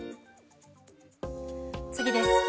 次です。